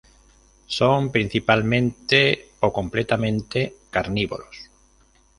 Son principalmente o completamente carnívoros.